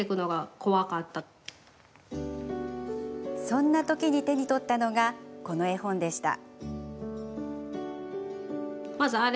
そんな時に手に取ったのがこの絵本でした。